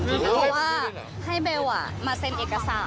เพราะว่าให้เบลมาเซ็นเอกสาร